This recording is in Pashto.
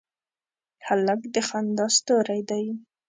هلک د خندا ستوری دی.